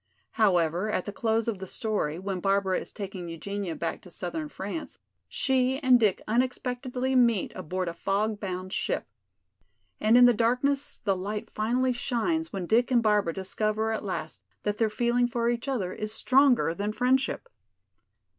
However, at the close of the story, when Barbara is taking Eugenia back to southern France, she and Dick unexpectedly meet aboard a fog bound ship. And in the darkness the light finally shines when Dick and Barbara discover at last that their feeling for each other is stronger than friendship.